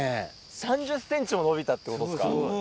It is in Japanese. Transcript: ３０ｃｍも伸びたってことですか。